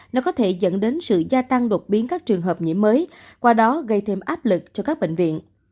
nó có thể dẫn đến sự gia tăng đột biến các trường hợp nhiễm mới qua đó gây thêm áp lực cho các bệnh viện